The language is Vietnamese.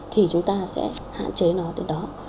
thì chúng ta sẽ hạn chế nó đến đó